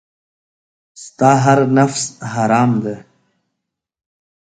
ستا هر نفس حرام دی .